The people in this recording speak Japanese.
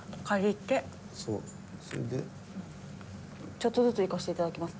ちょっとずついかせて頂きます。